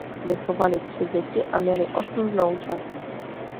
Vychovali tři děti a měli osm vnoučat.